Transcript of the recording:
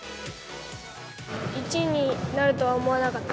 １位になるとは思わなかった。